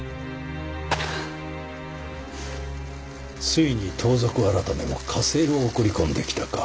ついに盗賊改も加勢を送り込んできたか。